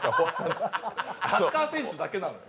サッカー選手だけなのよ。